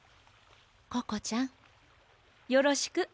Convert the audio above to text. ココちゃんよろしく。